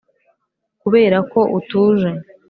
kubera ko utuje.